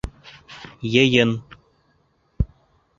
Йыйын.